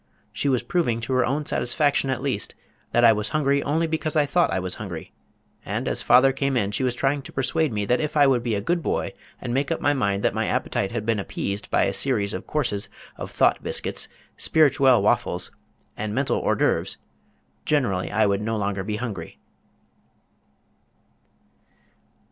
She was proving to her own satisfaction at least that I was hungry only because I thought I was hungry, and as father came in she was trying to persuade me that if I would be a good boy and make up my mind that my appetite had been appeased by a series of courses of thought biscuits, spirituelle waffles, and mental hors d'oeuvres generally I would no longer be hungry.